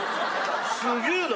すげえな。